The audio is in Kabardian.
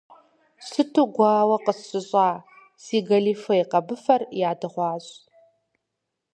Сыту гуауэ къысщыщӏа, си гэлифе къэбыфэр ядыгъуащ.